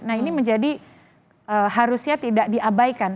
nah ini menjadi harusnya tidak diabaikan